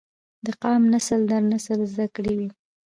دا قام نسل در نسل زده کړي وي